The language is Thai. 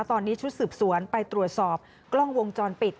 ตอนนี้ชุดสืบสวนไปตรวจสอบกล้องวงจรปิด